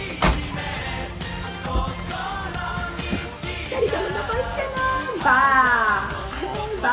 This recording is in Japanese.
２人ともどこ行ったの？ばぁ。